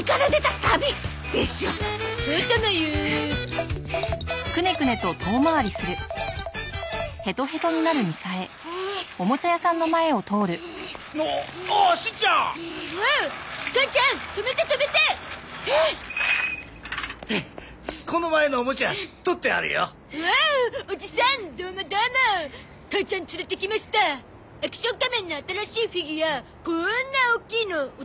アクション仮面の新しいフィギュアこんなおっきいのおときよりしたんだゾ！